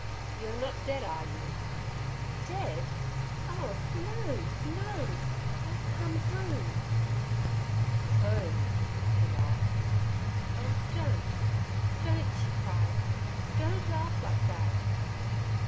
You're not dead, are you?' 'Dead! Oh no no.... I've come home.' 'Home!' He laughed. 'Oh don't don't,' she cried. 'Don't laugh like that.'